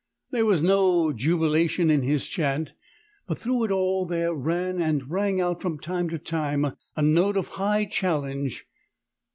There was no jubilation in his chant, but through it all there ran and rang out from time to time a note of high challenge.